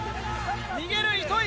逃げる糸井！